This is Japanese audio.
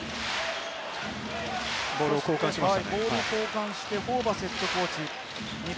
ボールを交換しましたね。